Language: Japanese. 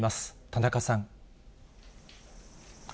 田中さん。